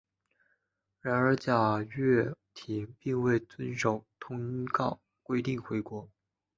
然而贾跃亭并未遵守通告规定回国。